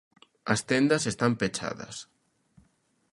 As tendas están pechadas.